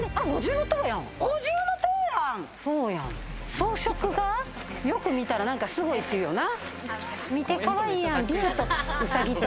装飾がよく見たらすごいっていうような。